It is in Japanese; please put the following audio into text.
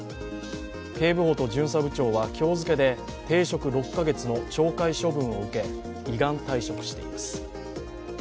警部補と巡査部長は今日付で停職６か月の懲戒処分を受け依願退職しています。